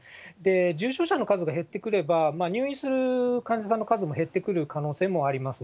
重症者の数が減ってくれば、入院する患者さんの数も減ってくる可能性もあります。